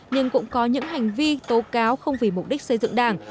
nhưng cũng có những hành vi tố cáo không vì mục đích xây dựng đảng